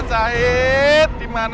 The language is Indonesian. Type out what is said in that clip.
mas syahid dimana sih